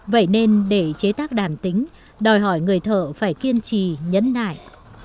vậy nên để chế tác đàn tính đòi hỏi người thợ phải kiên trì nhấn nại